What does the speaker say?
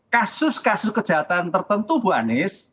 kasus kasus kejahatan tertentu bu anies